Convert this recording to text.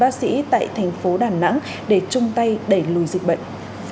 bác sĩ tại thành phố đà nẵng để chung tay đẩy lùi dịch bệnh